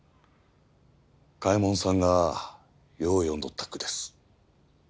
嘉右衛門さんがよう読んどった句です。